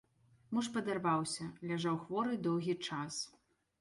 Муж падарваўся, ляжаў хворы доўгі час.